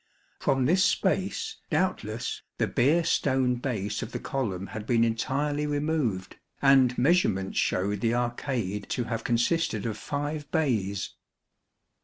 From this space, doubtless, the Beer Stone base of the column had been entirely removed, and measurements showed the arcade to have consisted of five bays.